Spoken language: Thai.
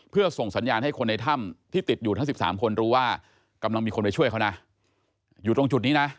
เพื่อส่งสัญญาณให้คนในถ้ำที่ติดอยู่ทั้ง๑๓คนรู้ว่ากำลังมีคนไปช่วยเขานะอยู่ตรงจุดนี้นะ